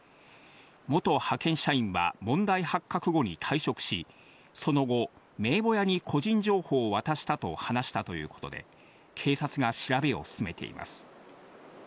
元派遣社員は問題発覚後に退職し、その後、名簿屋に個人情報を渡したと話したということで、警察が調べを進めています。